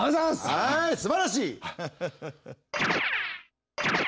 はいすばらしい！